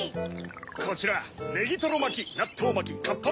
こちらネギトロまきなっとうまきかっぱまき